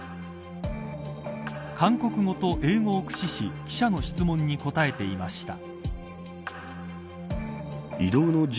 韓国語と英語を駆使し記者の質問に答えていました。